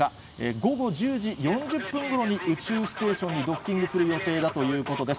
午後１０時４０分ごろに宇宙ステーションにドッキングする予定だということです。